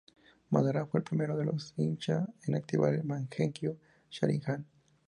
Madara fue el primero de los Uchiha en activar el Mangekyō Sharingan.